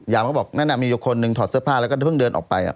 ยามก็บอกแน่อยู่คนรึงถอดเสื้อผ้าแล้วยังเดินออกไป